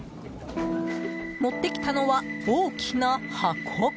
持ってきたのは大きな箱。